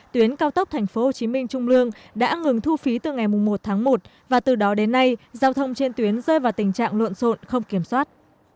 tuyến cao tốc tp hcm trung lương đã ngừng thu phí từ ngày một tháng một và từ đó đến nay giao thông trên tuyến rơi vào tình trạng luận rộn không kiểm soát